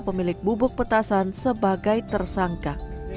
pemilik bubuk petasan sebagai tersangka